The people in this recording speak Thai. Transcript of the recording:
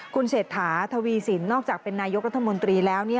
คุณเศรษฐาทวีสินนอกจากเป็นนายกรัฐมนตรีแล้ว